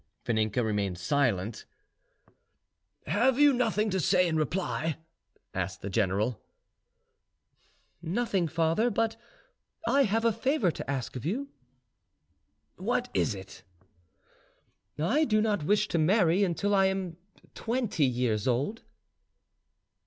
Vaninka remained silent. "Have you nothing to say in reply?" asked the general. "Nothing, father; but I have a favour to ask of you." "What is it?" "I do not wish to marry until I am twenty years old."